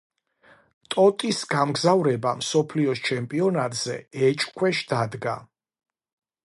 ტოტის გამგზავრება მსოფლიოს ჩემპიონატზე ეჭქვეშ დადგა.